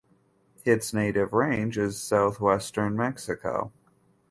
Its native range is Southwestern Mexico.